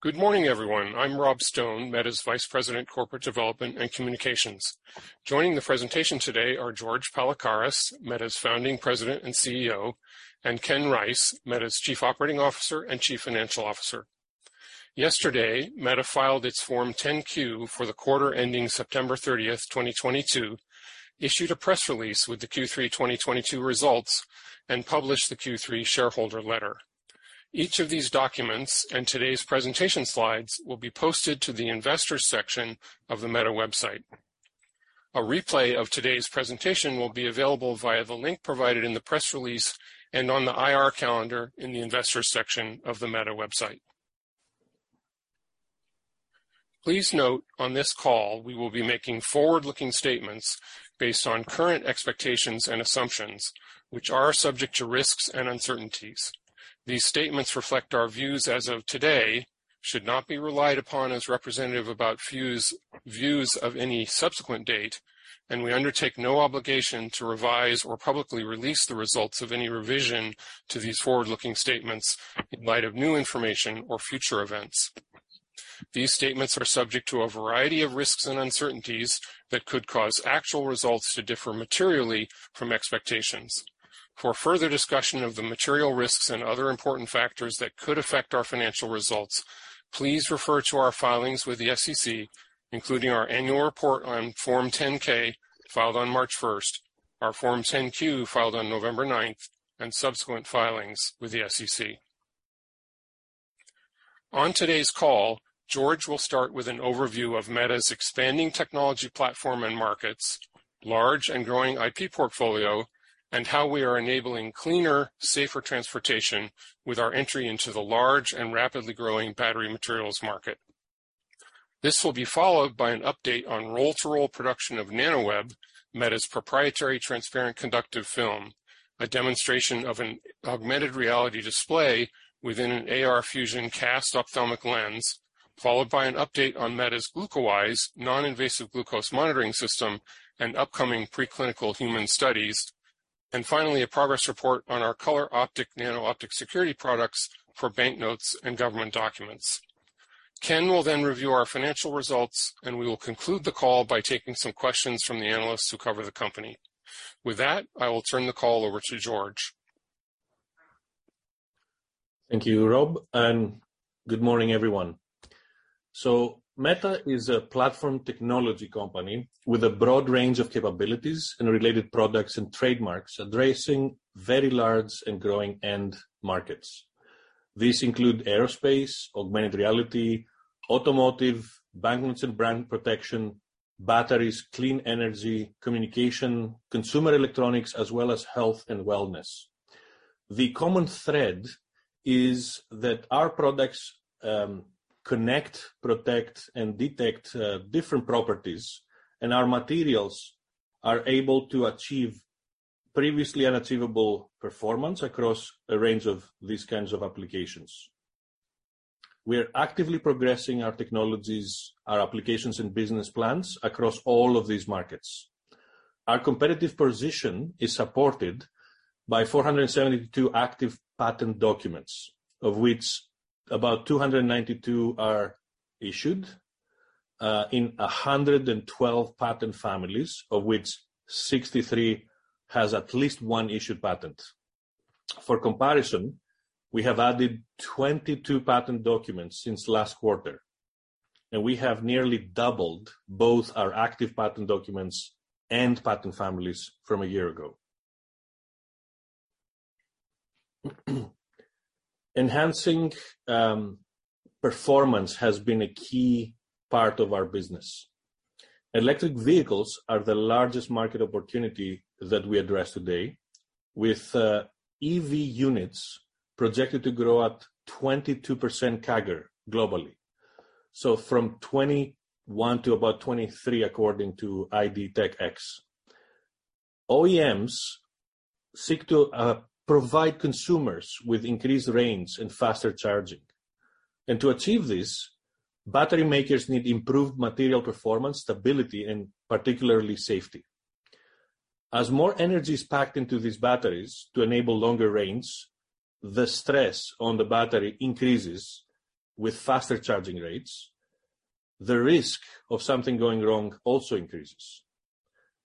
Good morning, everyone. I'm Rob Stone, Meta's Vice President, Corporate Development and Communications. Joining the presentation today are George Palikaras, Meta's Founding President and CEO, and Ken Rice, Meta's Chief Operating Officer and Chief Financial Officer. Yesterday, Meta filed its Form 10-Q for the quarter ending September 30, 2022, issued a press release with the Q3 2022 results, and published the Q3 shareholder letter. Each of these documents and today's presentation slides will be posted to the investors section of the Meta website. A replay of today's presentation will be available via the link provided in the press release and on the IR calendar in the investors section of the Meta website. Please note, on this call, we will be making forward-looking statements based on current expectations and assumptions, which are subject to risks and uncertainties. These statements reflect our views as of today, should not be relied upon as representative about views of any subsequent date, and we undertake no obligation to revise or publicly release the results of any revision to these forward-looking statements in light of new information or future events. These statements are subject to a variety of risks and uncertainties that could cause actual results to differ materially from expectations. For further discussion of the material risks and other important factors that could affect our financial results, please refer to our filings with the SEC, including our annual report on Form 10-K, filed on March first, our Form 10-Q, filed on November ninth, and subsequent filings with the SEC. On today's call, George will start with an overview of Meta's expanding technology platform and markets, large and growing IP portfolio, and how we are enabling cleaner, safer transportation with our entry into the large and rapidly growing battery materials market. This will be followed by an update on roll-to-roll production of NANOWEB, Meta's proprietary transparent conductive film. A demonstration of an augmented reality display within an ARfusion cast ophthalmic lens, followed by an update on Meta's GlucoWise, non-invasive glucose monitoring system and upcoming preclinical human studies. Finally, a progress report on our KolourOptik, nano-optic security products for banknotes and government documents. Ken will then review our financial results, and we will conclude the call by taking some questions from the analysts who cover the company. With that, I will turn the call over to George. Thank you, Rob, and good morning, everyone. Meta is a platform technology company with a broad range of capabilities and related products and trademarks addressing very large and growing end markets. These include aerospace, augmented reality, automotive, banknotes and brand protection, batteries, clean energy, communication, consumer electronics, as well as health and wellness. The common thread is that our products connect, protect, and detect different properties, and our materials are able to achieve previously unachievable performance across a range of these kinds of applications. We are actively progressing our technologies, our applications and business plans across all of these markets. Our competitive position is supported by 472 active patent documents, of which about 292 are issued, in 112 patent families, of which 63 has at least one issued patent. For comparison, we have added 22 patent documents since last quarter, and we have nearly doubled both our active patent documents and patent families from a year ago. Enhancing performance has been a key part of our business. Electric vehicles are the largest market opportunity that we address today, with EV units projected to grow at 22% CAGR globally. From 2021 to about 2023, according to IDTechEx. OEMs seek to provide consumers with increased range and faster charging. To achieve this, battery makers need improved material performance, stability, and particularly safety. As more energy is packed into these batteries to enable longer range, the stress on the battery increases with faster charging rates. The risk of something going wrong also increases.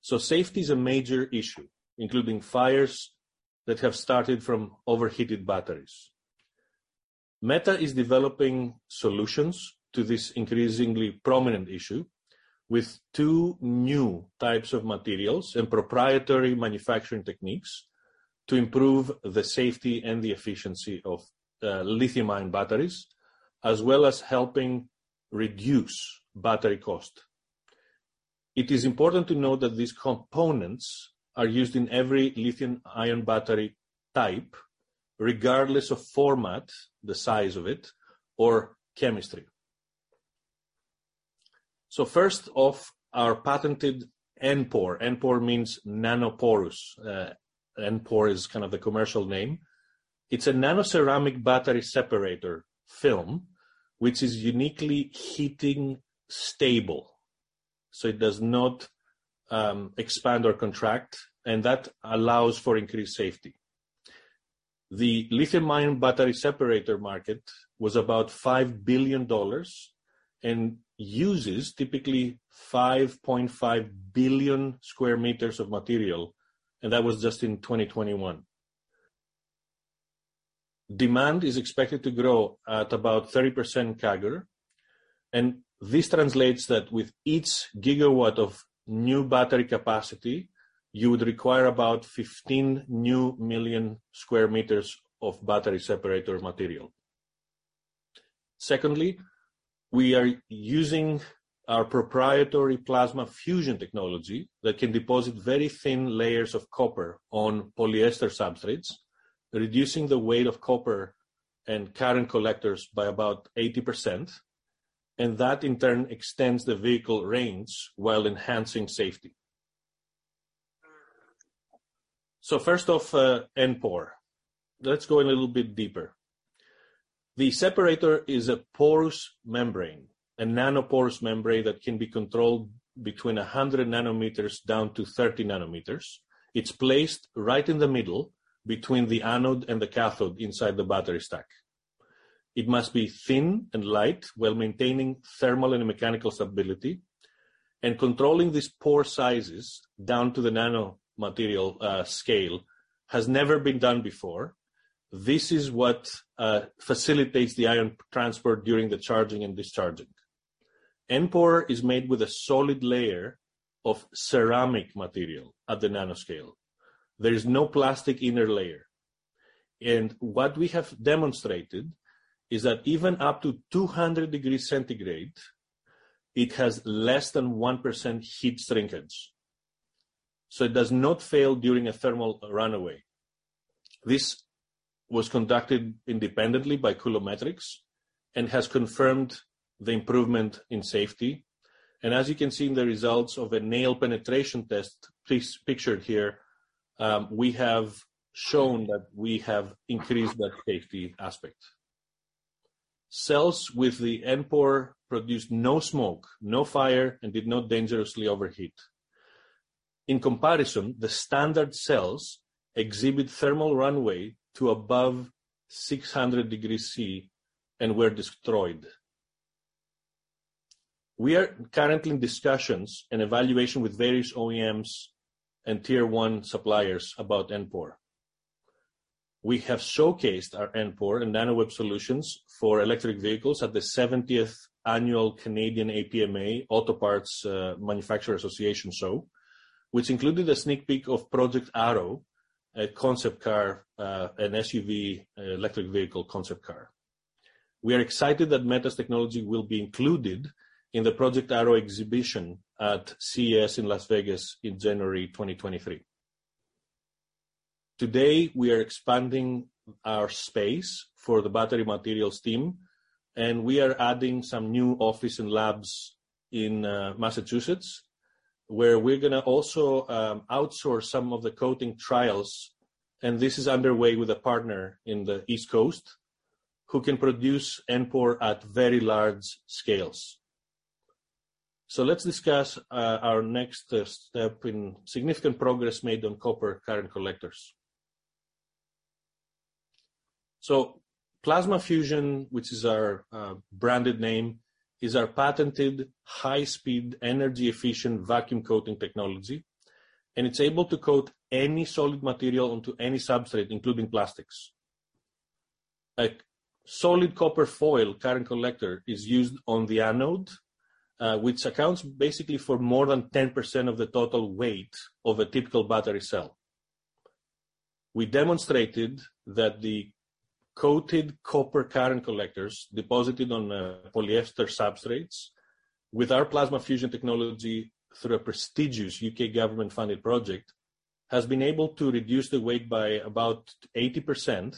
Safety is a major issue, including fires that have started from overheated batteries. Meta is developing solutions to this increasingly prominent issue with two new types of materials and proprietary manufacturing techniques to improve the safety and the efficiency of lithium-ion batteries, as well as helping reduce battery cost. It is important to note that these components are used in every lithium-ion battery type, regardless of format, the size of it, or chemistry. First off, our patented NPORE. NPORE means nanoporous. NPORE is kind of the commercial name. It's a nanoceramic battery separator film, which is uniquely heat stable, so it does not expand or contract, and that allows for increased safety. The lithium-ion battery separator market was about $5 billion and uses typically 5.5 billion square meters of material, and that was just in 2021. Demand is expected to grow at about 30% CAGR, and this translates that with each gigawatt of new battery capacity, you would require about 15 million square meters of battery separator material. Secondly, we are using our proprietary PLASMAfusion technology that can deposit very thin layers of copper on polyester substrates, reducing the weight of copper and current collectors by about 80%, and that, in turn, extends the vehicle range while enhancing safety. First off, NPORE. Let's go a little bit deeper. The separator is a porous membrane, a nanoporous membrane that can be controlled between 100 nanometers down to 30 nanometers. It's placed right in the middle between the anode and the cathode inside the battery stack. It must be thin and light while maintaining thermal and mechanical stability. Controlling these pore sizes down to the nanoscale has never been done before. This is what facilitates the ion transport during the charging and discharging. NPORE is made with a solid layer of ceramic material at the nanoscale. There is no plastic inner layer. What we have demonstrated is that even up to 200 degrees centigrade, it has less than 1% heat shrinkage. It does not fail during a thermal runaway. This was conducted independently by Coulometrics and has confirmed the improvement in safety. As you can see in the results of a nail penetration test, as pictured here, we have shown that we have increased that safety aspect. Cells with the NPORE produced no smoke, no fire, and did not dangerously overheat. In comparison, the standard cells exhibit thermal runaway to above 600 degrees Celsius and were destroyed. We are currently in discussions and evaluation with various OEMs and tier-one suppliers about NPORE. We have showcased our NPORE and NANOWEB solutions for electric vehicles at the 70th annual Canadian APMA Automotive Parts Manufacturers' Association show, which included a sneak peek of Project Arrow, a concept car, an SUV, electric vehicle concept car. We are excited that Meta's technology will be included in the Project Arrow exhibition at CES in Las Vegas in January 2023. Today, we are expanding our space for the battery materials team, and we are adding some new office and labs in Massachusetts, where we're gonna also outsource some of the coating trials. This is underway with a partner in the East Coast who can produce NPORE at very large scales. Let's discuss our next step in significant progress made on copper current collectors. PLASMAfusion, which is our branded name, is our patented high-speed, energy-efficient vacuum coating technology, and it's able to coat any solid material onto any substrate, including plastics. A solid copper foil current collector is used on the anode, which accounts basically for more than 10% of the total weight of a typical battery cell. We demonstrated that the coated copper current collectors deposited on polyester substrates with our PLASMAfusion technology through a prestigious U.K. government-funded project has been able to reduce the weight by about 80%,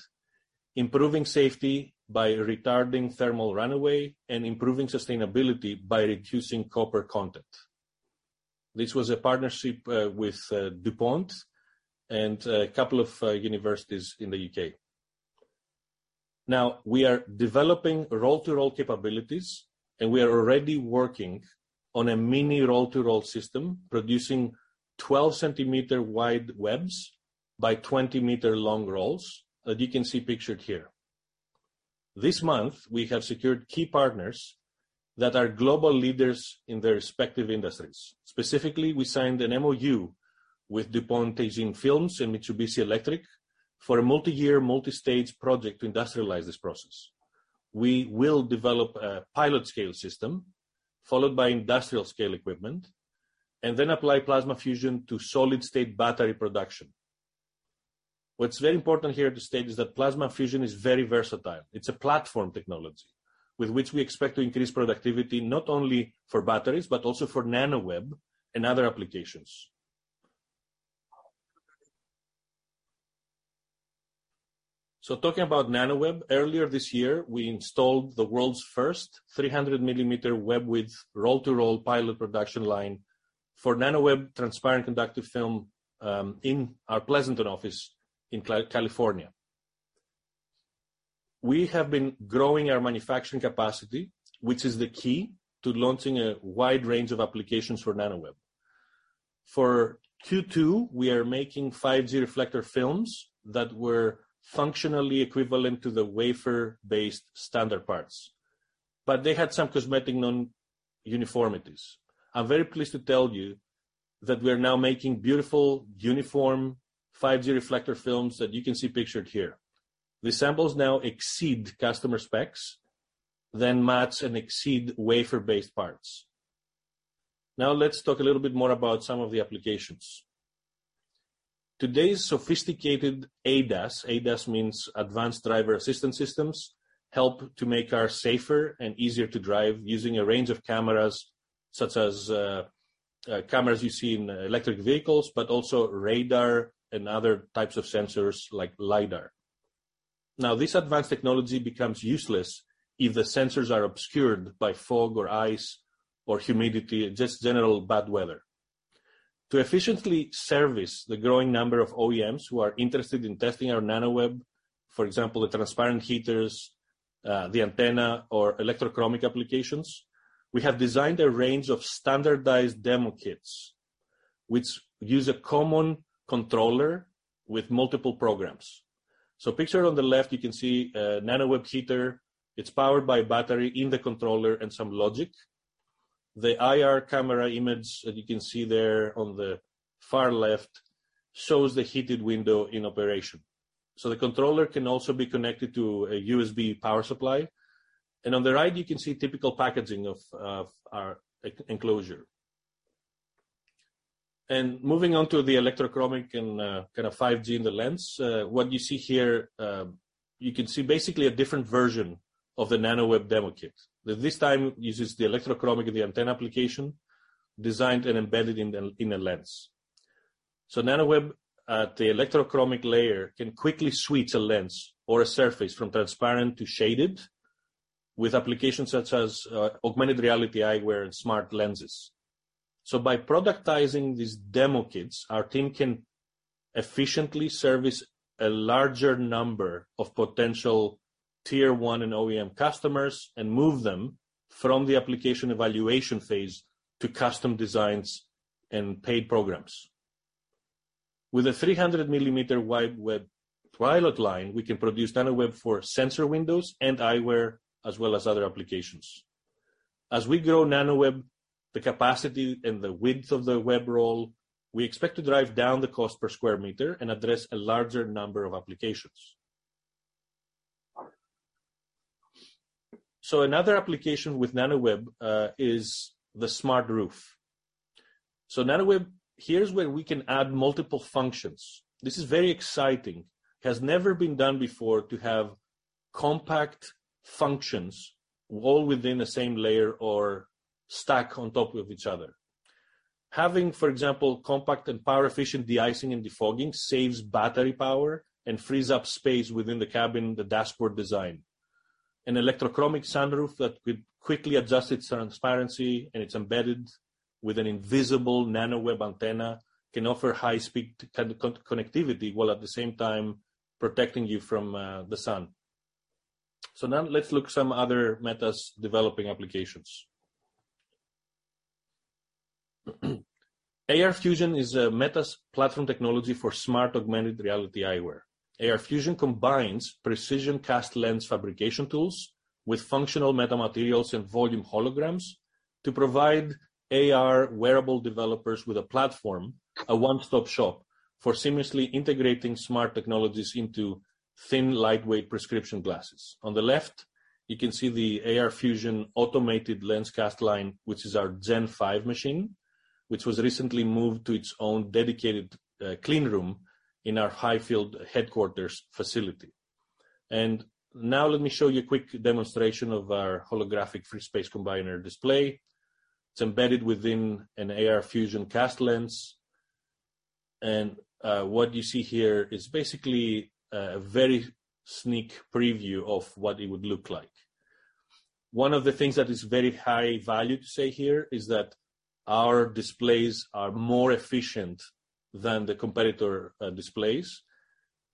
improving safety by retarding thermal runaway and improving sustainability by reducing copper content. This was a partnership with DuPont and a couple of universities in the U.K. Now, we are developing roll-to-roll capabilities, and we are already working on a mini roll-to-roll system producing 12-centimeter-wide webs by 20-meter-long rolls, as you can see pictured here. This month, we have secured key partners that are global leaders in their respective industries. Specifically, we signed an MoU with DuPont Teijin Films and Mitsubishi Electric for a multi-year, multi-stage project to industrialize this process. We will develop a pilot-scale system followed by industrial-scale equipment, and then apply PLASMAfusion to solid-state battery production. What's very important here to state is that PLASMAfusion is very versatile. It's a platform technology with which we expect to increase productivity not only for batteries but also for NANOWEB and other applications. Talking about NanoWeb, earlier this year, we installed the world's first 300-millimeter web with roll-to-roll pilot production line for NanoWeb transparent conductive film, in our Pleasanton office in California. We have been growing our manufacturing capacity, which is the key to launching a wide range of applications for NanoWeb. For Q2, we are making 5G reflector films that were functionally equivalent to the wafer-based standard parts, but they had some cosmetic non-uniformities. I'm very pleased to tell you that we are now making beautiful uniform 5G reflector films that you can see pictured here. The samples now exceed customer specs, then match and exceed wafer-based parts. Now let's talk a little bit more about some of the applications. Today's sophisticated ADAS means Advanced Driver Assistance Systems, help to make cars safer and easier to drive using a range of cameras, such as cameras you see in electric vehicles, but also radar and other types of sensors like LIDAR. Now this advanced technology becomes useless if the sensors are obscured by fog or ice or humidity, just general bad weather. To efficiently service the growing number of OEMs who are interested in testing our NANOWEB, for example, the transparent heaters, the antenna or electrochromic applications, we have designed a range of standardized demo kits which use a common controller with multiple programs. Pictured on the left, you can see a NANOWEB heater. It's powered by battery in the controller and some logic. The IR camera image that you can see there on the far left shows the heated window in operation. The controller can also be connected to a USB power supply. On the right, you can see typical packaging of our e-enclosure. Moving on to the electrochromic and kinda 5G in the lens. What you see here, you can see basically a different version of the NanoWeb demo kit. This time uses the electrochromic of the antenna application designed and embedded in a lens. NanoWeb, the electrochromic layer can quickly switch a lens or a surface from transparent to shaded with applications such as augmented reality eyewear and smart lenses. By productizing these demo kits, our team can efficiently service a larger number of potential tier one and OEM customers and move them from the application evaluation phase to custom designs and paid programs. With a 300 millimeter wide web pilot line, we can produce NANOWEB for sensor windows and eyewear, as well as other applications. As we grow NANOWEB, the capacity and the width of the web roll, we expect to drive down the cost per square meter and address a larger number of applications. Another application with NANOWEB is the smart roof. NANOWEB, here's where we can add multiple functions. This is very exciting. Has never been done before to have compact functions all within the same layer or stack on top of each other. Having, for example, compact and power-efficient de-icing and defogging saves battery power and frees up space within the cabin, the dashboard design. An electrochromic sunroof that could quickly adjust its transparency, and it's embedded with an invisible NANOWEB antenna, can offer high-speed connectivity, while at the same time protecting you from the sun. Now let's look at some other Meta Materials' developing applications. ARfusion is a Meta Materials' platform technology for smart augmented reality eyewear. ARfusion combines precision cast lens fabrication tools with functional metamaterials and volume holograms to provide AR wearable developers with a platform, a one-stop shop, for seamlessly integrating smart technologies into thin, lightweight prescription glasses. On the left, you can see the ARfusion automated lens cast line, which is our Gen Five machine, which was recently moved to its own dedicated clean room in our Highfield headquarters facility. Now let me show you a quick demonstration of our holographic free space combiner display. It's embedded within an ARfusion cast lens. What you see here is basically a very sneak preview of what it would look like. One of the things that is very high value to say here is that our displays are more efficient than the competitor displays.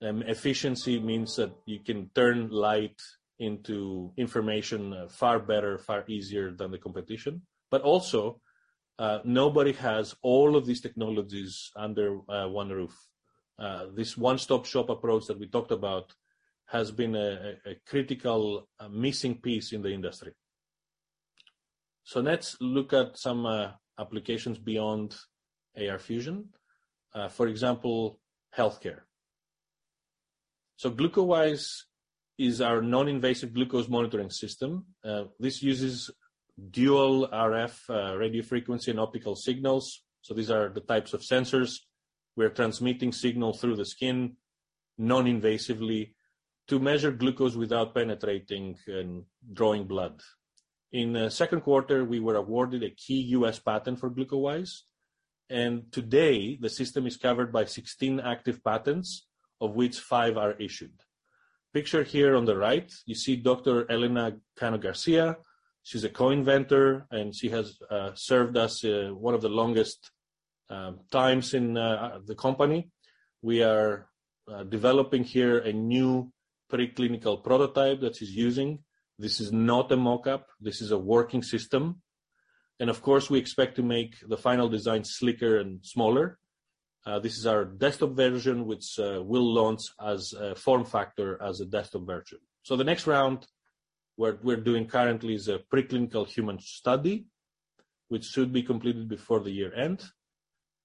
Efficiency means that you can turn light into information far better, far easier than the competition. Nobody has all of these technologies under one roof. This one-stop shop approach that we talked about has been a critical missing piece in the industry. Let's look at some applications beyond ARfusion. For example, healthcare. GlucoWISE is our non-invasive glucose monitoring system. This uses dual RF radio frequency and optical signals. These are the types of sensors. We're transmitting signal through the skin non-invasively to measure glucose without penetrating and drawing blood. In the second quarter, we were awarded a key U.S. patent for GlucoWise. Today, the system is covered by 16 active patents, of which five are issued. Pictured here on the right, you see Dr. Elena Cano-Garcia. She's a co-inventor, and she has served us one of the longest times in the company. We are developing here a new pre-clinical prototype that she's using. This is not a mock-up. This is a working system. Of course, we expect to make the final design slicker and smaller. This is our desktop version, which we'll launch as a form factor as a desktop version. The next round we're doing currently is a pre-clinical human study, which should be completed before the year-end.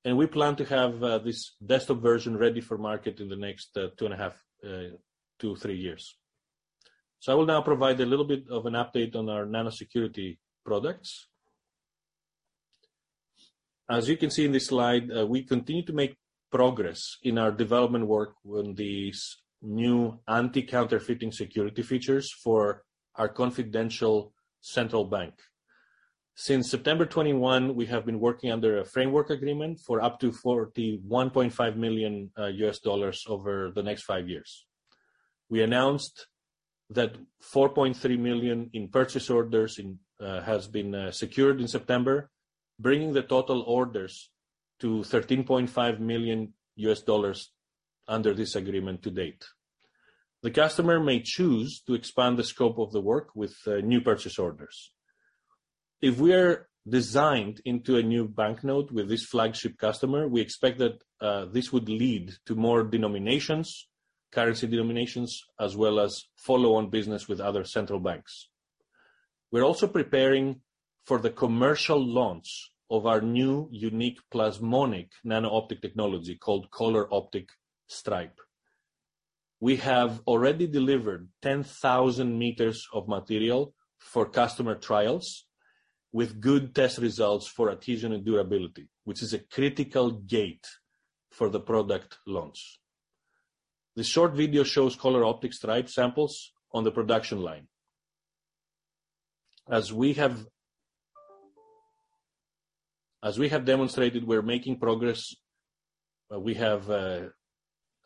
We plan to have this desktop version ready for market in the next 2.5-3 years. I will now provide a little bit of an update on our nano-optic security products. As you can see in this slide, we continue to make progress in our development work on these new anti-counterfeiting security features for our confidential central bank. Since September 2021, we have been working under a framework agreement for up to $41.5 million over the next five years. We announced that $4.3 million in purchase orders has been secured in September, bringing the total orders to $13.5 million under this agreement to date. The customer may choose to expand the scope of the work with new purchase orders. If we are designed into a new banknote with this flagship customer, we expect that this would lead to more denominations, currency denominations, as well as follow on business with other central banks. We're also preparing for the commercial launch of our new unique plasmonic nano-optic technology called KolourOptik Stripe. We have already delivered 10,000 meters of material for customer trials with good test results for adhesion and durability, which is a critical gate for the product launch. The short video shows KolourOptik Stripe samples on the production line. As we have demonstrated, we're making progress, but we have a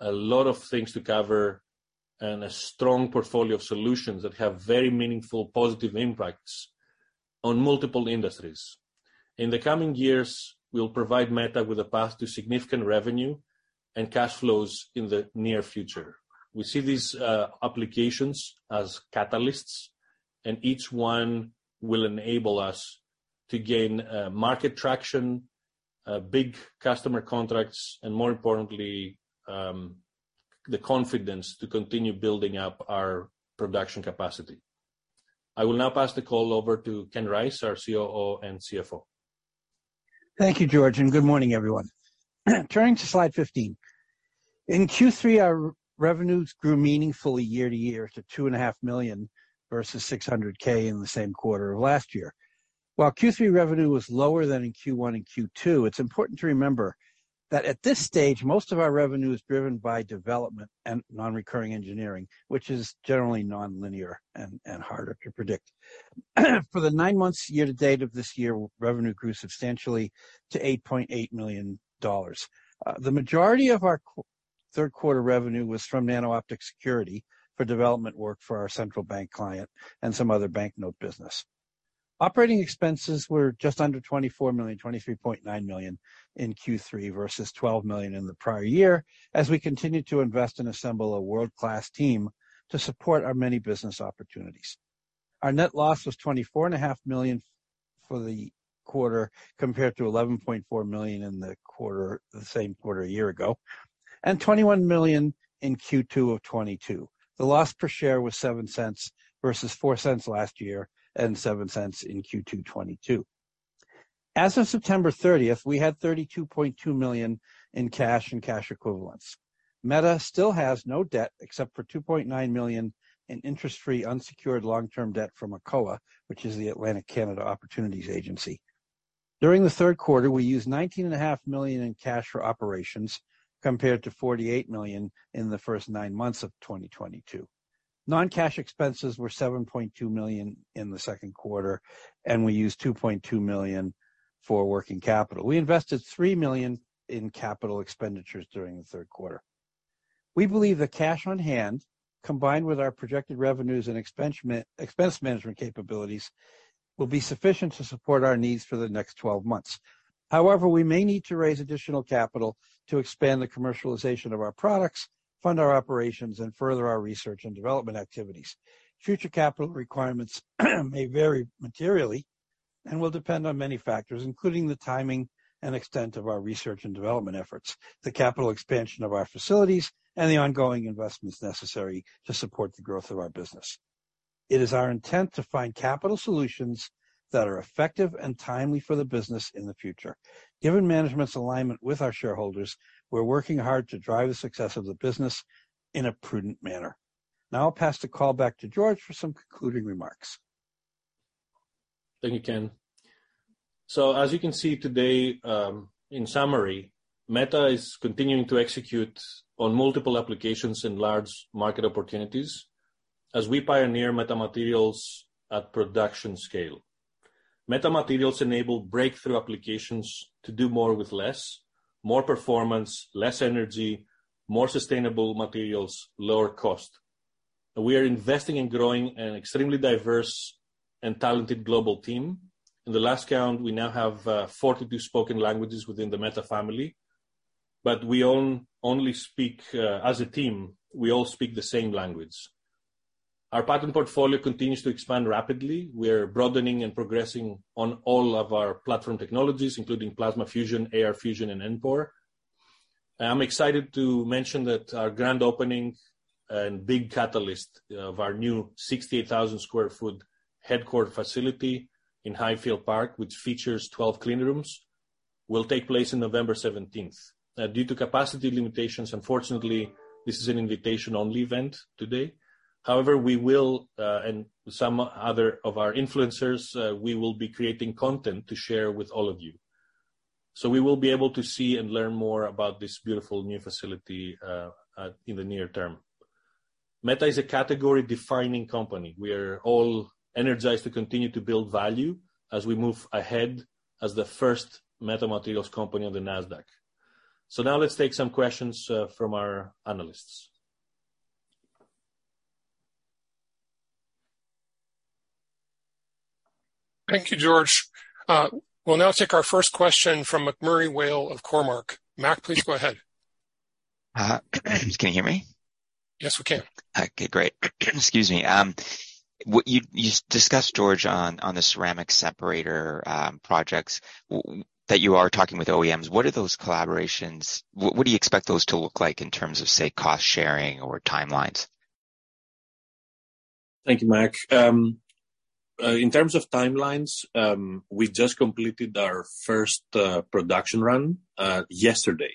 lot of things to cover and a strong portfolio of solutions that have very meaningful positive impacts on multiple industries. In the coming years, we'll provide Meta Materials with a path to significant revenue and cash flows in the near future. We see these applications as catalysts, and each one will enable us to gain market traction, big customer contracts, and more importantly, the confidence to continue building up our production capacity. I will now pass the call over to Ken Rice, our COO and CFO. Thank you, George, and good morning, everyone. Turning to slide 15. In Q3, our revenues grew meaningfully year-over-year to $two and a half million versus $600K in the same quarter of last year. While Q3 revenue was lower than in Q1 and Q2, it's important to remember that at this stage, most of our revenue is driven by development and non-recurring engineering, which is generally nonlinear and harder to predict. For the nine months year to date of this year, revenue grew substantially to $8.8 million. The majority of our third quarter revenue was from nano-optic security for development work for our central bank client and some other banknote business. Operating expenses were just under $24 million, $23.9 million in Q3 versus $12 million in the prior year, as we continued to invest and assemble a world-class team to support our many business opportunities. Our net loss was $24 and a half million for the quarter, compared to $11.4 million in the quarter, the same quarter a year ago, and $21 million in Q2 of 2022. The loss per share was $0.07 versus $0.04 last year, and $0.07 in Q2 2022. As of September 30, we had $32.2 million in cash and cash equivalents. Meta still has no debt except for $2.9 million in interest-free unsecured long-term debt from ACOA, which is the Atlantic Canada Opportunities Agency. During the third quarter, we used $19.5 million in cash for operations, compared to $48 million in the first nine months of 2022. Non-cash expenses were $7.2 million in the second quarter, and we used $2.2 million for working capital. We invested $3 million in capital expenditures during the third quarter. We believe the cash on hand, combined with our projected revenues and expense management capabilities, will be sufficient to support our needs for the next 12 months. However, we may need to raise additional capital to expand the commercialization of our products, fund our operations, and further our research and development activities. Future capital requirements may vary materially and will depend on many factors, including the timing and extent of our research and development efforts, the capital expansion of our facilities, and the ongoing investments necessary to support the growth of our business. It is our intent to find capital solutions that are effective and timely for the business in the future. Given management's alignment with our shareholders, we're working hard to drive the success of the business in a prudent manner. Now I'll pass the call back to George for some concluding remarks. Thank you, Ken. As you can see today, in summary, Meta is continuing to execute on multiple applications in large market opportunities. As we pioneer metamaterials at production scale. Metamaterials enable breakthrough applications to do more with less, more performance, less energy, more sustainable materials, lower cost. We are investing in growing an extremely diverse and talented global team. In the last count, we now have 42 spoken languages within the Meta family, but we all only speak, as a team, we all speak the same language. Our patent portfolio continues to expand rapidly. We're broadening and progressing on all of our platform technologies, including PLASMAfusion, ARfusion, and NPORE. I'm excited to mention that our grand opening and big catalyst of our new 68,000 sq ft headquarters facility in Highfield, which features 12 clean rooms, will take place in November seventeenth. Due to capacity limitations, unfortunately, this is an invitation-only event today. However, we and some other of our influencers will be creating content to share with all of you. We will be able to see and learn more about this beautiful new facility in the near term. Meta is a category-defining company. We are all energized to continue to build value as we move ahead as the first metamaterials company on the Nasdaq. Now let's take some questions from our analysts. Thank you, George. We'll now take our first question from MacMurray Whale of Cormark. Mac, please go ahead. Can you hear me? Yes, we can. Okay, great. Excuse me. What you discussed, George, on the ceramic separator projects that you are talking with OEMs. What do you expect those to look like in terms of, say, cost sharing or timelines? Thank you, Mac. In terms of timelines, we just completed our first production run yesterday.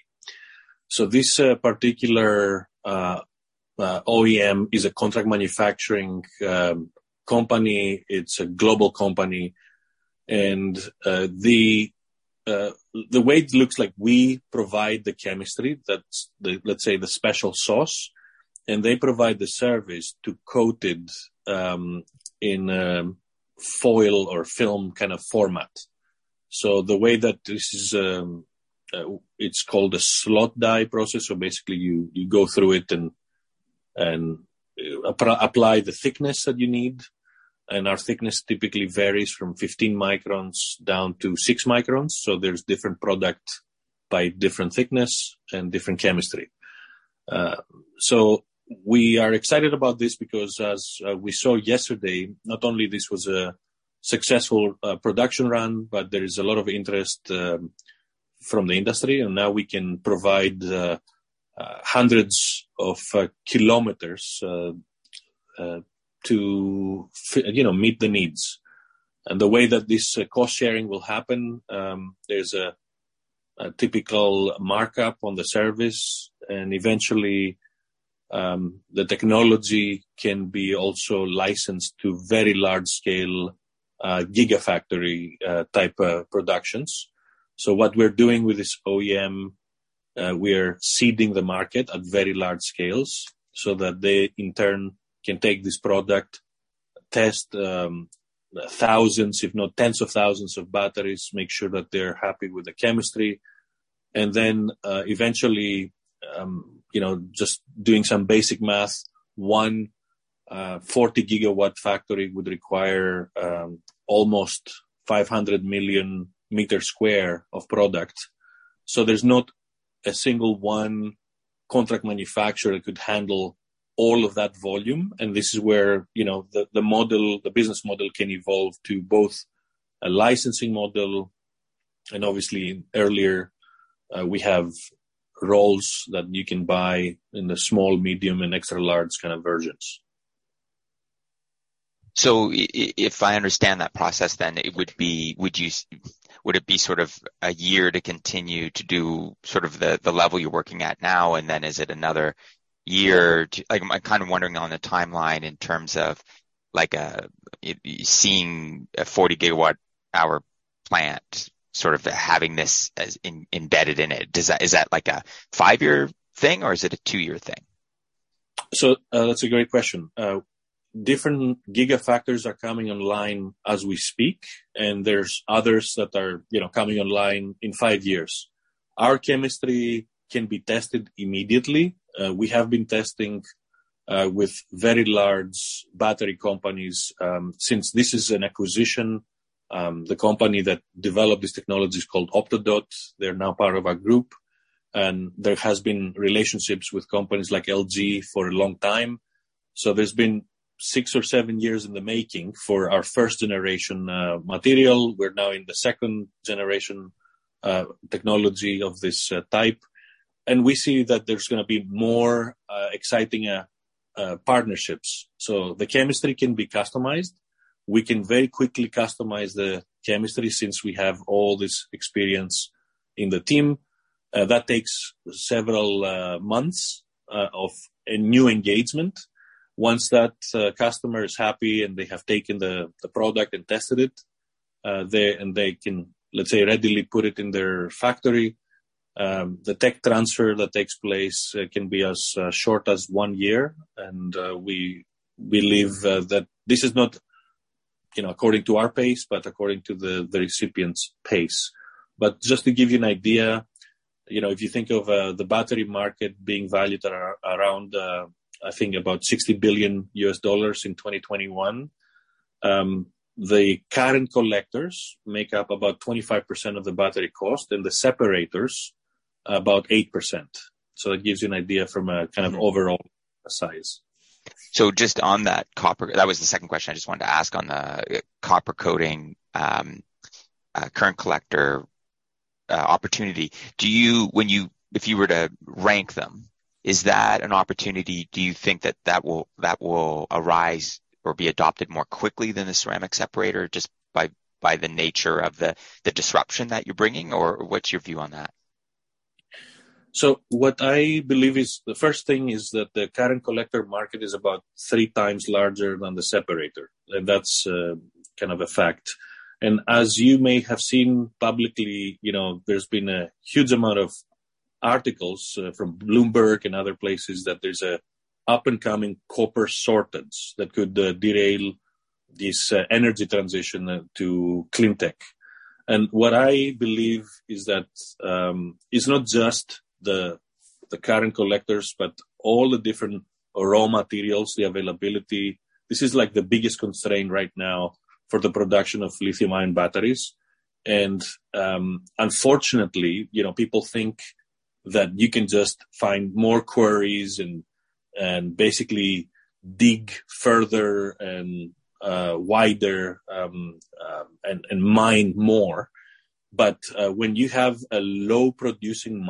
This particular OEM is a contract manufacturing company. It's a global company. The way it looks like we provide the chemistry, that's the, let's say, the special sauce, and they provide the service to coat it in foil or film kind of format. The way that this is, it's called a slot-die process. Basically, you go through it and apply the thickness that you need. Our thickness typically varies from 15 microns down to six microns. There's different product by different thickness and different chemistry. We are excited about this because as we saw yesterday, not only this was a successful production run, but there is a lot of interest from the industry, and now we can provide hundreds of kilometers, you know, to meet the needs. The way that this cost sharing will happen, there's a typical markup on the service, and eventually the technology can be also licensed to very large-scale gigafactory type productions. What we're doing with this OEM, we're seeding the market at very large scales so that they, in turn, can take this product, test thousands, if not tens of thousands of batteries, make sure that they're happy with the chemistry. Eventually, you know, just doing some basic math, 140-gigawatt factory would require almost 500 million square meters of product. There's not a single contract manufacturer could handle all of that volume. This is where, you know, the model, the business model can evolve to both a licensing model and obviously earlier we have rolls that you can buy in the small, medium, and extra-large kind of versions. If I understand that process, then would it be sort of a year to continue to do sort of the level you're working at now? Is it another year to? Like, I'm kinda wondering on the timeline in terms of like, seeing a 40 gigawatt power plant, sort of having this as embedded in it. Is that like a five-year thing or is it a two-year thing? That's a great question. Different gigafactories are coming online as we speak, and there's others that are, you know, coming online in five years. Our chemistry can be tested immediately. We have been testing with very large battery companies. Since this is an acquisition, the company that developed this technology is called Optodots. They're now part of our group, and there has been relationships with companies like LG for a long time. There's been six or seven years in the making for our first-generation material. We're now in the second-generation technology of this type, and we see that there's gonna be more exciting partnerships. The chemistry can be customized. We can very quickly customize the chemistry since we have all this experience in the team. That takes several months of a new engagement. Once that customer is happy and they have taken the product and tested it, they can, let's say, readily put it in their factory. The tech transfer that takes place can be as short as one year, and we believe that this is not, you know, according to our pace, but according to the recipient's pace. Just to give you an idea, you know, if you think of the battery market being valued around, I think about $60 billion in 2021, the current collectors make up about 25% of the battery cost and the separators about 8%. It gives you an idea from a kind of overall size. Just on that copper, that was the second question I just wanted to ask on the copper coating, current collector opportunity. If you were to rank them, is that an opportunity? Do you think that will arise or be adopted more quickly than the ceramic separator just by the nature of the disruption that you're bringing or what's your view on that? What I believe is the first thing is that the current collector market is about three times larger than the separator, and that's kind of a fact. As you may have seen publicly, there's been a huge amount of articles from Bloomberg and other places that there's an up-and-coming copper shortage that could derail this energy transition to clean tech. What I believe is that it's not just the current collectors, but all the different raw materials, the availability. This is like the biggest constraint right now for the production of lithium-ion batteries. Unfortunately, you know, people think that you can just find more quarries and basically dig further and wider and mine more. When you have a low producing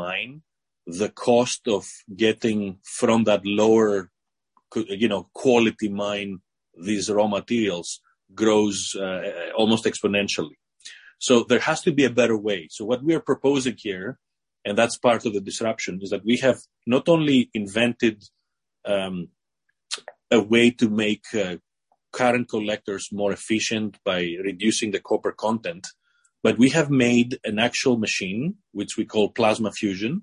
mine, the cost of getting from that lower, you know, quality mine, these raw materials grows almost exponentially. There has to be a better way. What we are proposing here, and that's part of the disruption, is that we have not only invented a way to make current collectors more efficient by reducing the copper content, but we have made an actual machine, which we call PLASMAfusion,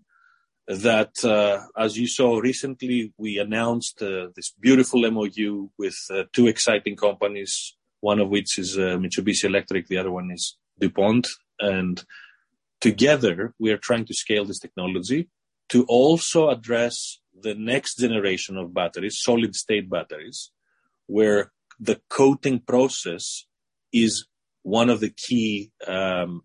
that as you saw recently, we announced this beautiful MOU with two exciting companies, one of which is Mitsubishi Electric, the other one is DuPont. Together, we are trying to scale this technology to also address the next generation of batteries, solid-state batteries, where the coating process is one of the key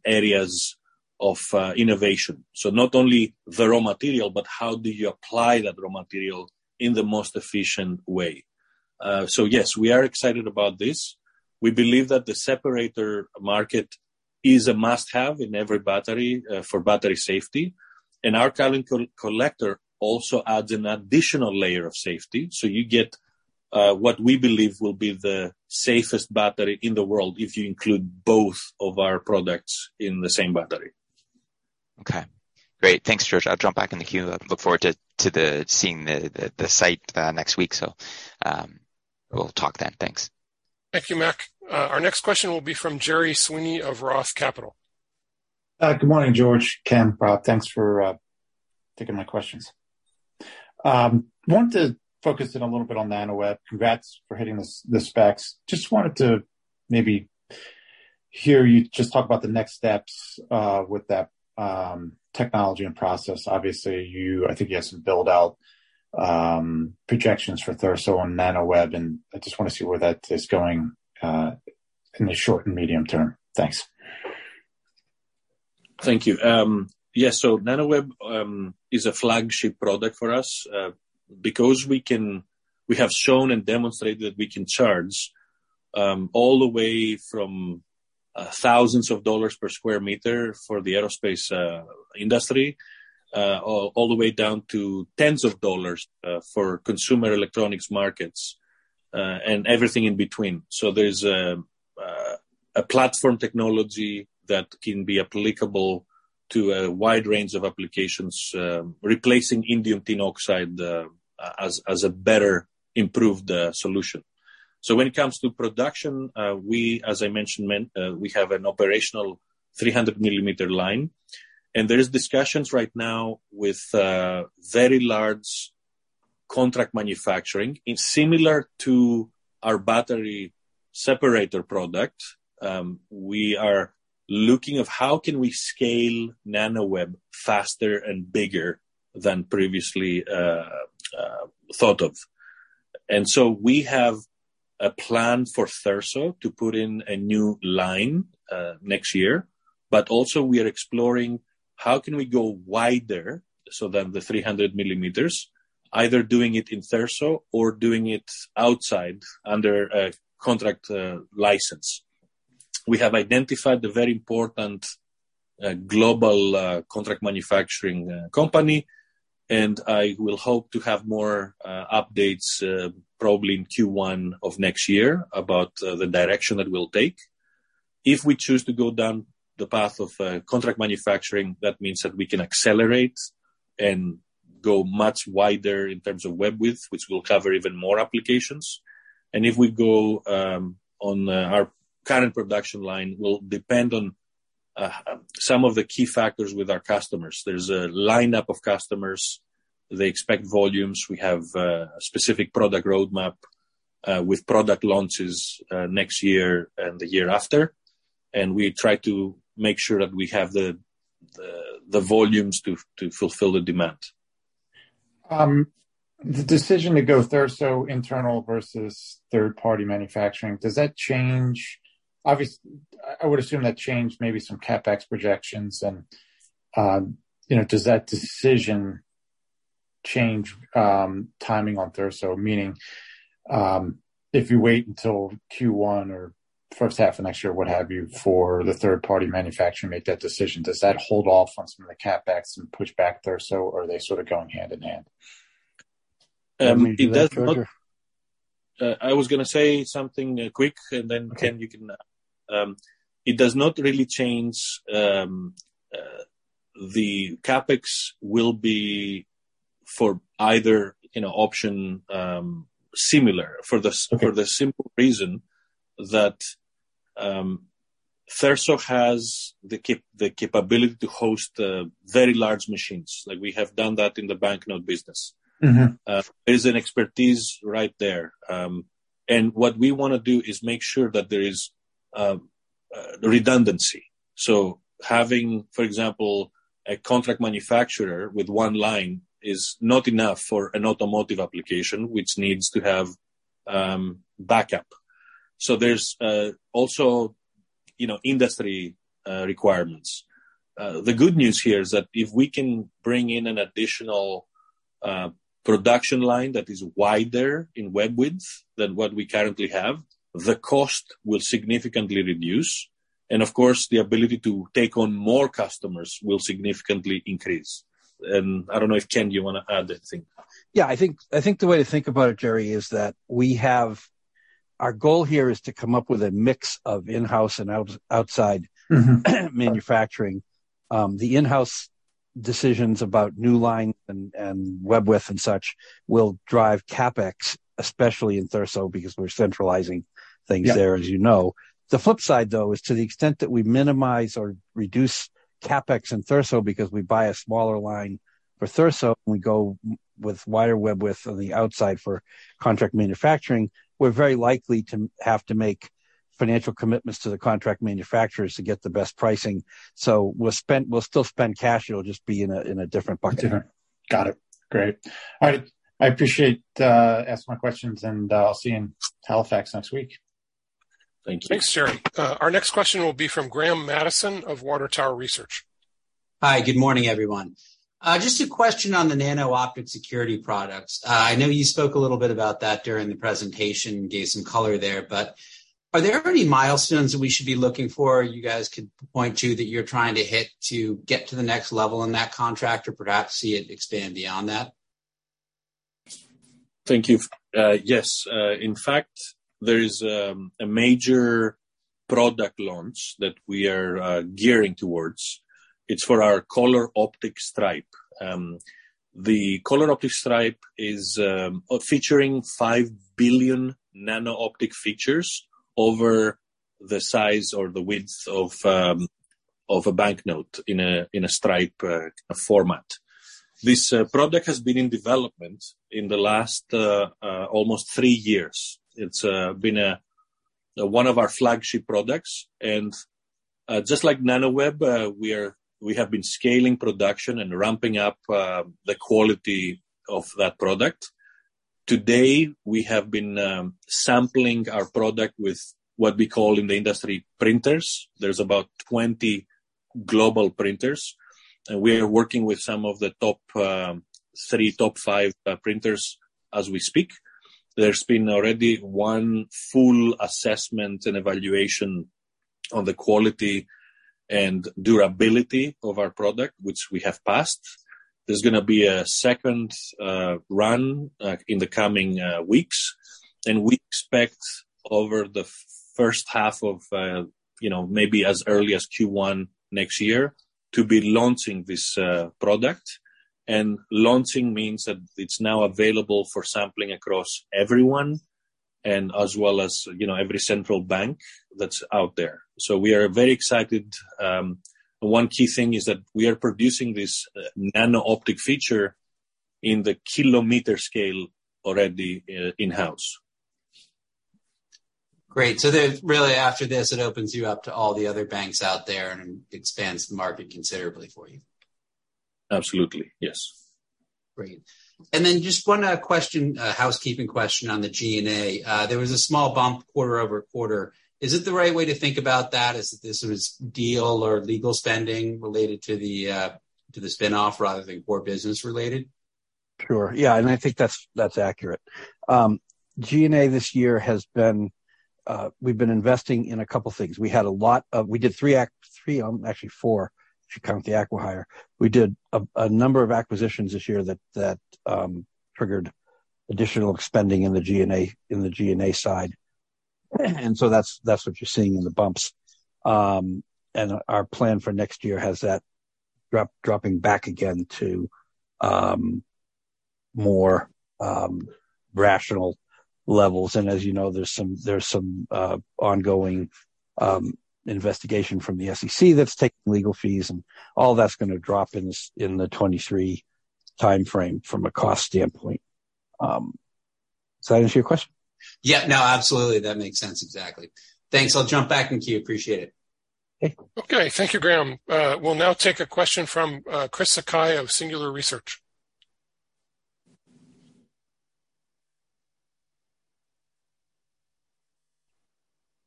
areas of innovation. Not only the raw material, but how do you apply that raw material in the most efficient way. Yes, we are excited about this. We believe that the separator market is a must-have in every battery, for battery safety. Our current collector also adds an additional layer of safety. You get, what we believe will be the safest battery in the world, if you include both of our products in the same battery. Okay. Great. Thanks, George. I'll jump back in the queue. I look forward to seeing the site next week. We'll talk then. Thanks. Thank you, Mac. Our next question will be from Gerard Sweeney of Roth Capital Partners. Good morning, George, Ken. Thanks for taking my questions. Want to focus in a little bit on NANOWEB. Congrats for hitting the specs. Just wanted to maybe hear you just talk about the next steps with that technology and process. Obviously, you, I think you have some build-out projections for Thurso on NANOWEB, and I just want to see where that is going in the short and medium term. Thanks. Thank you. NANOWEB is a flagship product for us because we have shown and demonstrated that we can charge all the way from thousands of dollars per square meter for the aerospace industry all the way down to tens of dollars for consumer electronics markets and everything in between. There's a platform technology that can be applicable to a wide range of applications replacing indium tin oxide as a better improved solution. When it comes to production, as I mentioned, we have an operational 300 millimeter line, and there is discussions right now with very large contract manufacturing. Similar to our battery separator product, we are looking at how we can scale NANOWEB faster and bigger than previously thought of. We have a plan for Thurso to put in a new line next year, but also we are exploring how we can go wider than the 300 millimeters, either doing it in Thurso or doing it outside under a contract license. We have identified a very important global contract manufacturing company, and I hope to have more updates probably in Q1 of next year about the direction that we'll take. If we choose to go down the path of contract manufacturing, that means that we can accelerate and go much wider in terms of web width, which will cover even more applications. If we go on our current production line, will depend on some of the key factors with our customers. There's a lineup of customers. They expect volumes. We have a specific product roadmap with product launches next year and the year after. We try to make sure that we have the volumes to fulfill the demand. The decision to go Thurso internal versus third-party manufacturing, does that change? Obviously, I would assume that changed maybe some CapEx projections and, you know, does that decision change timing on Thurso? Meaning, if you wait until Q1 or first half of next year, what have you, for the third-party manufacturer to make that decision, does that hold off on some of the CapEx and push back Thurso, or are they sort of going hand in hand? It does not. I was gonna say something quick, and then, Ken, you can. It does not really change, the CapEx will be for either, you know, option, similar. Okay. For the simple reason that, Thurso has the capability to host very large machines. Like we have done that in the banknote business. Mm-hmm. There's an expertise right there. What we wanna do is make sure that there is redundancy. Having, for example, a contract manufacturer with one line is not enough for an automotive application, which needs to have backup. There's also, you know, industry requirements. The good news here is that if we can bring in an additional production line that is wider in web width than what we currently have, the cost will significantly reduce. Of course, the ability to take on more customers will significantly increase. I don't know if, Ken, you wanna add anything? Yeah, I think the way to think about it, Gerard, is that our goal here is to come up with a mix of in-house and outside. Mm-hmm. manufacturing. The in-house decisions about new lines and web width and such will drive CapEx, especially in Thurso, because we're centralizing things there. Yeah. As you know. The flip side, though, is to the extent that we minimize or reduce CapEx in Thurso because we buy a smaller line for Thurso, and we go with wider web width on the outside for contract manufacturing, we're very likely to have to make financial commitments to the contract manufacturers to get the best pricing. We'll still spend cash, it'll just be in a different bucket. Got it. Great. All right. I appreciate asking my questions and I'll see you in Halifax next week. Thank you. Thanks, Jerry. Our next question will be from Graham Mattison of Water Tower Research. Hi, good morning, everyone. Just a question on the nano-optic security products. I know you spoke a little bit about that during the presentation, gave some color there, but are there any milestones that we should be looking for you guys could point to that you're trying to hit to get to the next level in that contract or perhaps see it expand beyond that? Thank you. Yes. In fact, there is a major product launch that we are gearing towards. It's for our KolourOptik Stripe. The KolourOptik Stripe is featuring five billion nano-optic features over the size or the width of a banknote in a stripe format. This product has been in development in the last almost three years. It's been one of our flagship products. Just like NANOWEB, we have been scaling production and ramping up the quality of that product. Today, we have been sampling our product with what we call in the industry printers. There's about 20 global printers. We are working with some of the top three, top five printers as we speak. There's been already one full assessment and evaluation on the quality and durability of our product, which we have passed. There's gonna be a second run in the coming weeks. We expect over the first half of, you know, maybe as early as Q1 next year to be launching this product. Launching means that it's now available for sampling across everyone and as well as, you know, every central bank that's out there. We are very excited. One key thing is that we are producing this nano-optic feature in the kilometer scale already in-house. Great. Really after this, it opens you up to all the other banks out there and expands the market considerably for you. Absolutely. Yes. Great. Just one housekeeping question on the G&A. There was a small bump quarter-over-quarter. Is it the right way to think about that as if this was deal or legal spending related to the spin-off rather than core business related? Sure. Yeah, I think that's accurate. G&A this year has been, we've been investing in a couple of things. We did three, actually four, if you count the acquihire. We did a number of acquisitions this year that triggered additional spending in the G&A side. That's what you're seeing in the bumps. Our plan for next year has that drop back to more rational levels. As you know, there's some ongoing investigation from the SEC that's taking legal fees, and all that's gonna drop in the 2023 timeframe from a cost standpoint. Does that answer your question? Yeah, no, absolutely. That makes sense. Exactly. Thanks. I'll jump back in queue. Appreciate it. Okay. Okay. Thank you, Graham. We'll now take a question from Christopher Sakai of Singular Research.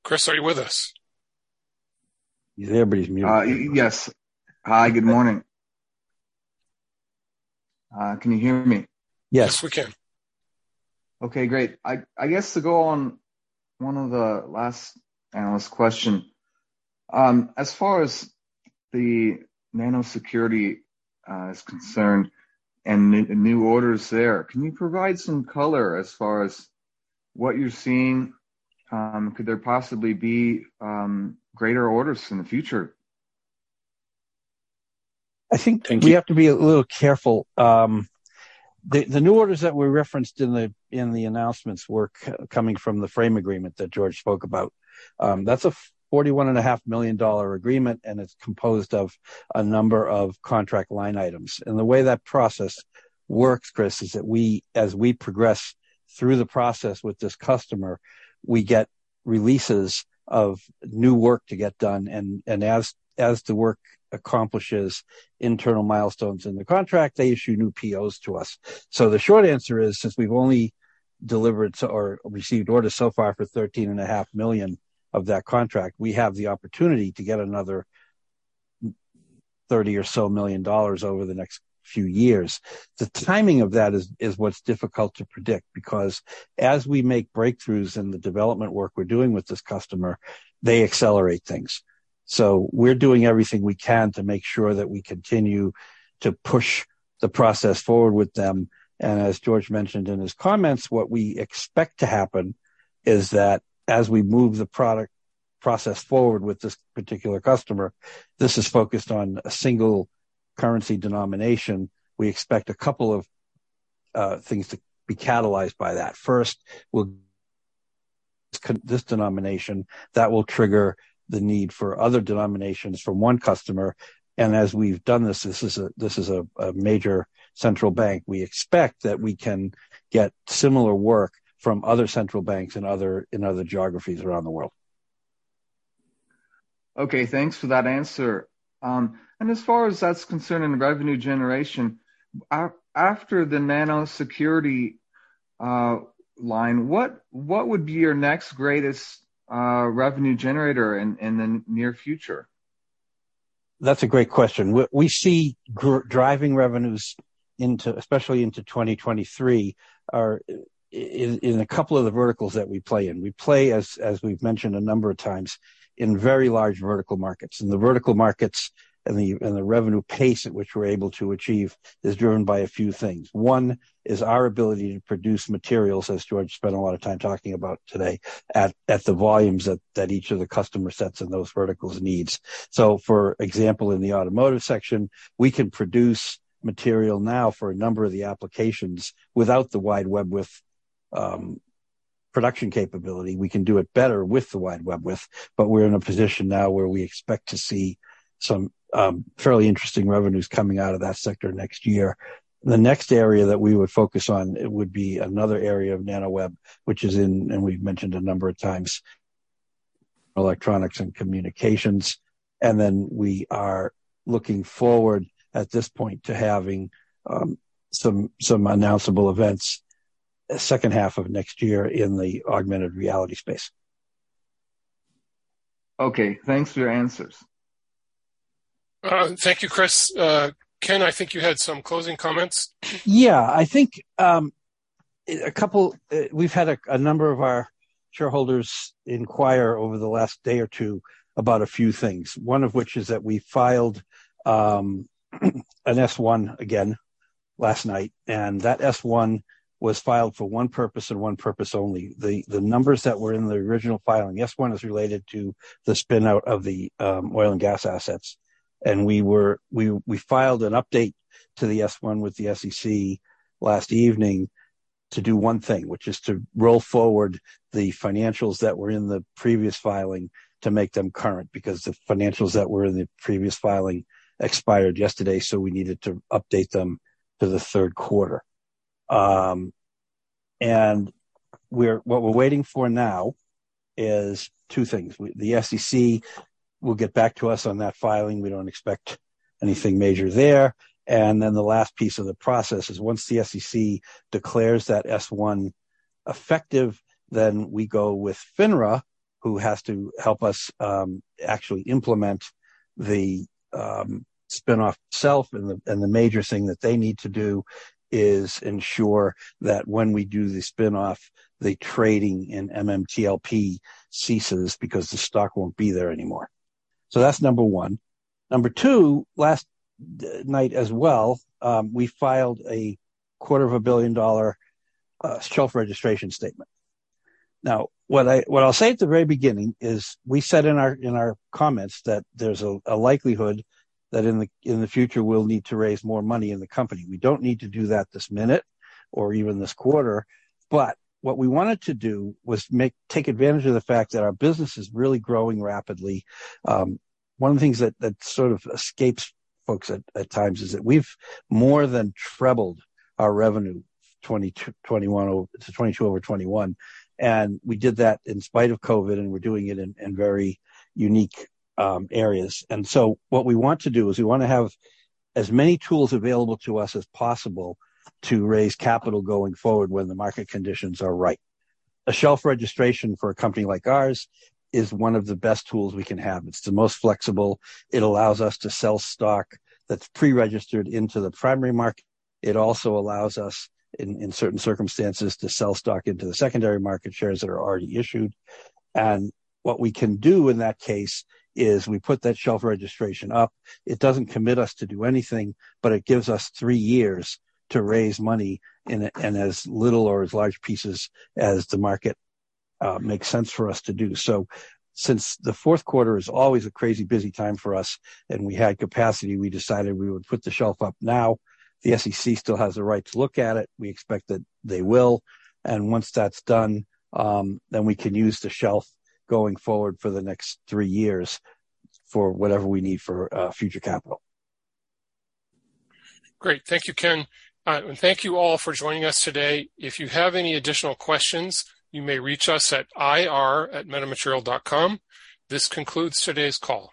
Chris, are you with us? He's there, but he's muted. Yes. Hi, good morning. Can you hear me? Yes. Yes, we can. Okay, great. I guess to go on one of the last analyst question, as far as the nano-optic security is concerned and new orders there, can you provide some color as far as what you're seeing? Could there possibly be greater orders in the future? I think- Thank you. We have to be a little careful. The new orders that were referenced in the announcements were coming from the framework agreement that George spoke about. That's a $41 and a half million agreement, and it's composed of a number of contract line items. The way that process works, Chris, is that we, as we progress through the process with this customer, we get releases of new work to get done. As the work accomplishes internal milestones in the contract, they issue new POs to us. The short answer is, since we've only delivered or received orders so far for $13 and a half million of that contract, we have the opportunity to get another $30 or so million over the next few years. The timing of that is what's difficult to predict because as we make breakthroughs in the development work we're doing with this customer, they accelerate things. We're doing everything we can to make sure that we continue to push the process forward with them. As George mentioned in his comments, what we expect to happen is that as we move the product process forward with this particular customer, this is focused on a single currency denomination. We expect a couple of things to be catalyzed by that. First, well this denomination, that will trigger the need for other denominations from one customer. As we've done this is a major central bank, we expect that we can get similar work from other central banks in other geographies around the world. Okay. Thanks for that answer. As far as that's concerned in revenue generation, after the nano-optic security line, what would be your next greatest revenue generator in the near future? That's a great question. We see growth driving revenues especially into 2023 in a couple of the verticals that we play in. We play as we've mentioned a number of times, in very large vertical markets. The vertical markets and the revenue pace at which we're able to achieve is driven by a few things. One is our ability to produce materials, as George spent a lot of time talking about today, at the volumes that each of the customer sets in those verticals needs. For example, in the automotive sector, we can produce material now for a number of the applications with the wide web production capability. We can do it better with the NANOWEB, but we're in a position now where we expect to see some fairly interesting revenues coming out of that sector next year. The next area that we would focus on would be another area of NANOWEB, which is in, and we've mentioned a number of times, electronics and communications. We are looking forward at this point to having some announceable events second half of next year in the augmented reality space. Okay. Thanks for your answers. Thank you, Chris. Ken, I think you had some closing comments. Yeah. I think a couple we've had a number of our shareholders inquire over the last day or two about a few things, one of which is that we filed an S-1 again last night, and that S-1 was filed for one purpose and one purpose only. The numbers that were in the original filing, the S-1 is related to the spin-out of the oil and gas assets. We filed an update to the S-1 with the SEC last evening to do one thing, which is to roll forward the financials that were in the previous filing to make them current, because the financials that were in the previous filing expired yesterday, so we needed to update them to the third quarter. What we're waiting for now is two things. The SEC will get back to us on that filing. We don't expect anything major there. The last piece of the process is once the SEC declares that S-1 effective, then we go with FINRA, who has to help us actually implement the spin-off itself. The major thing that they need to do is ensure that when we do the spin-off, the trading in MMTLP ceases because the stock won't be there anymore. That's number one. Number two, last night as well, we filed a quarter of a billion dollar shelf registration statement. Now, what I'll say at the very beginning is we said in our comments that there's a likelihood that in the future, we'll need to raise more money in the company. We don't need to do that this minute or even this quarter. What we wanted to do was take advantage of the fact that our business is really growing rapidly. One of the things that sort of escapes folks at times is that we've more than trebled our revenue 2022 over 2021, and we did that in spite of COVID, and we're doing it in very unique areas. What we want to do is we wanna have as many tools available to us as possible to raise capital going forward when the market conditions are right. A shelf registration for a company like ours is one of the best tools we can have. It's the most flexible. It allows us to sell stock that's pre-registered into the primary market. It also allows us, in certain circumstances, to sell stock into the secondary market shares that are already issued. What we can do in that case is we put that shelf registration up. It doesn't commit us to do anything, but it gives us three years to raise money in as little or as large pieces as the market makes sense for us to do. Since the fourth quarter is always a crazy busy time for us and we had capacity, we decided we would put the shelf up now. The SEC still has the right to look at it. We expect that they will. Once that's done, then we can use the shelf going forward for the next three years for whatever we need for future capital. Great. Thank you, Ken. Thank you all for joining us today. If you have any additional questions, you may reach us at ir@metamaterials.com. This concludes today's call.